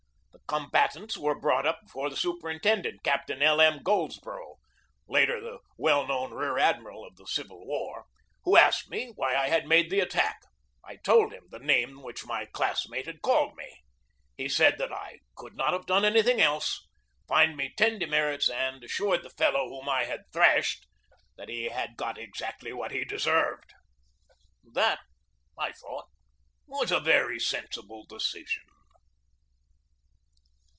The combatants were brought up before the super intendent, Captain L. M. Goldsborough, later the well known rear admiral of the Civil War, who asked me why I had made the attack. I told him the name which my classmate had called me. He said that I could not have done anything else, fined me ten de merits, and assured the fellow whom I had thrashed that he had got exactly what he deserved. That I thought was a very sensible decision.